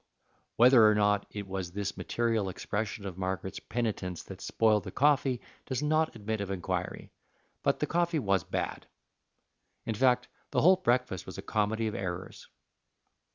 Whether or not it was this material expression of Margaret's penitence that spoiled the coffee does not admit of inquiry; but the coffee was bad. In fact, the whole breakfast was a comedy of errors.